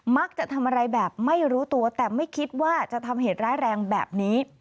มักจะทำอะไรแบบไม่รู้ตัวแต่ไม่คิดว่าจะทำเหตุร้ายแรงแบบนี้